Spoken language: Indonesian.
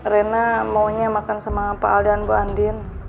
rena maunya makan sama pak aldan bu andin